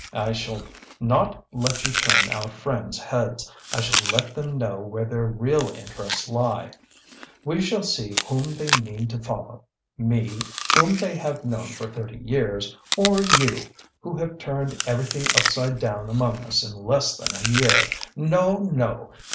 I shall not let you turn our friends' heads, I shall let them know where their real interests lie. We shall see whom they mean to follow me, whom they have known for thirty years, or you, who have turned everything upside down among us in less than a year. No, no!